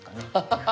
ハハハ。